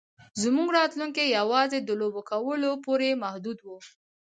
زموږ راتلونکی یوازې د لوبو کولو پورې محدود و